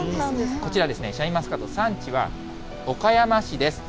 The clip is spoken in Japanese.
こちら、シャインマスカット、産地は岡山市です。